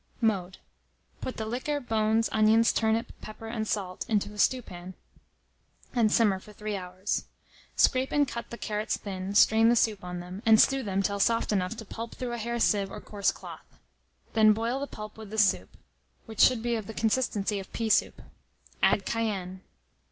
Mode. Put the liquor, bones, onions, turnip, pepper, and salt, into a stewpan, and simmer for 3 hours. Scrape and cut the carrots thin, strain the soup on them, and stew them till soft enough to pulp through a hair sieve or coarse cloth; then boil the pulp with the soup, which should be of the consistency of pea soup. Add cayenne.